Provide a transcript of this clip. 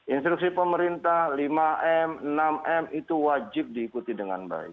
instruksi pemerintah lima m enam m itu wajib diikuti dengan baik